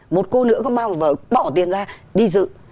một cô nữa có mang vở bỏ tiền ra đi dự